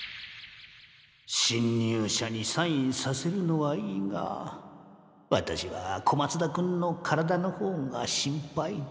しん入者にサインさせるのはいいがワタシは小松田君の体のほうが心配で。